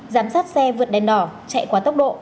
giám sát xe vượt đèn đỏ chạy quá tốc độ